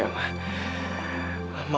terima kasih ya ma